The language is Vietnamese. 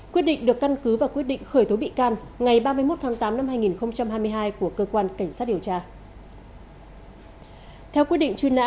quyết định được căn cứ và quyết định khởi tố bị can ngày ba mươi một tháng tám năm hai nghìn hai mươi hai của cơ quan cảnh sát điều tra